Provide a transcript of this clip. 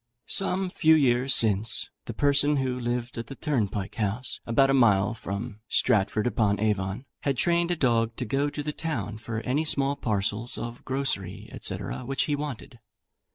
Some few years since, the person who lived at the turnpike house, about a mile from Stratford upon Avon, had trained a dog to go to the town for any small parcels of grocery, &c. which he wanted.